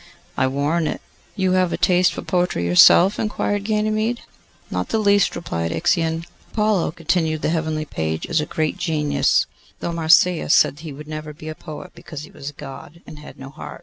'I warrant it.' 'You have a taste for poetry yourself?' inquired Ganymede. 'Not the least,' replied Ixion. 'Apollo,' continued the heavenly page, 'is a great genius, though Marsyas said that he never would be a poet because he was a God, and had no heart.